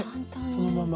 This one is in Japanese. そのまま。